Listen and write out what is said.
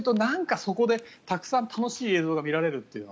そこでたくさん楽しい映像が見られるっていうの？